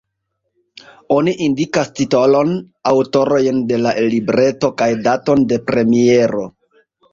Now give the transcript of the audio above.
Oni indikas titolon, aŭtorojn de la libreto kaj daton de premiero.